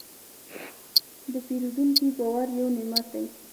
د پیرودونکي باور یو نعمت دی.